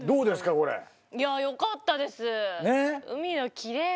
これいやよかったです